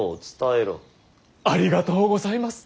ありがとうございます。